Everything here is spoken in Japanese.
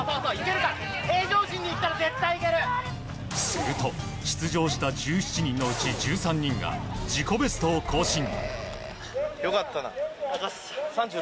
すると出場した１７人のうち１３人が自己ベストを更新。